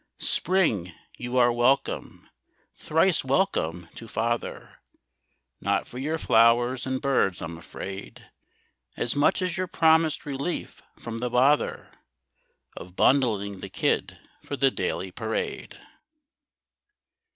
Spring, you are welcome, thrice welcome to father; Not for your flowers and birds, I'm afraid, As much as your promised relief from the bother Of bundling the kid for the daily parade.